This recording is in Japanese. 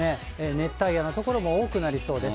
熱帯夜の所も多くなりそうです。